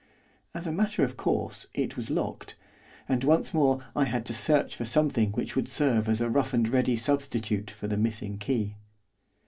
As a matter of course it was locked, and, once more, I had to search for something which would serve as a rough and ready substitute for the missing key.